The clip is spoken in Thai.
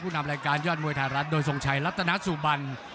คุณทำรายการยอดมวยธารัฐโดยส่งชัยลัตนาสุบัน